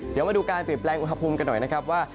เดี๋ยวมาดูการเปลี่ยนแปลงอุณหภูมิกันหน่อยนะครับว่า